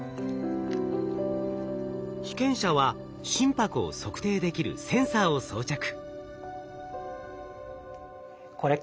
被験者は心拍を測定できるセンサーを装着。